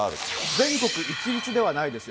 全国一律ではないですよ。